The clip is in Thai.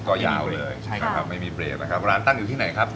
ก็ยาวเลยใช่นะครับไม่มีเปรตนะครับร้านตั้งอยู่ที่ไหนครับ